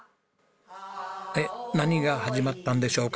えっ何が始まったんでしょうか？